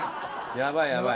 やばいやばい。